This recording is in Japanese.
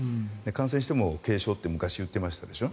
感染しても軽症って昔、言っていましたでしょ。